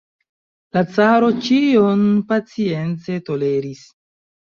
La caro ĉion pacience toleris.